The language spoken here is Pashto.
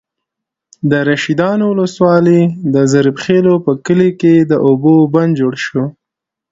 د رشيدانو ولسوالۍ، د ظریف خېلو په کلي کې د اوبو بند جوړ شو.